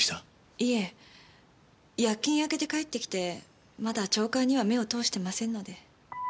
いえ夜勤明けで帰ってきてまだ朝刊には目を通してませんので。